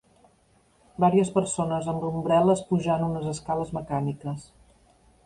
Vàries persones amb ombrel·les pujant unes escales mecàniques.